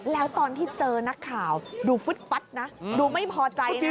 แล้วตอนที่เจอนักข่าวดูฟึดฟัดนะดูไม่พอใจจริง